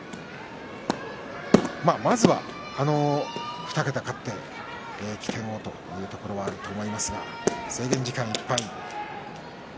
まずは２桁勝って起点をというところはあると思いますが制限時間いっぱいです。